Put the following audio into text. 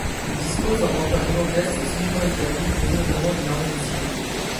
Ils disposent d'un empire gigantesque et solidement établit, doté notamment d'une armée disciplinée.